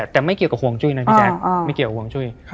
แต่ไม่เกี่ยวกับห่วงจุ้ยนะพี่แจ๊คไม่เกี่ยวกับห่วงจุ้ย